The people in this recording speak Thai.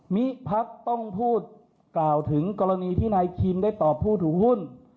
มิพัฒน์ต้องพูดกล่าวถึงกรณีที่นายคิมได้ตอบผู้ถูกหุ้น